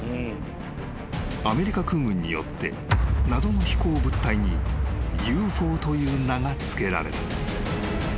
［アメリカ空軍によって謎の飛行物体にＵＦＯという名が付けられた］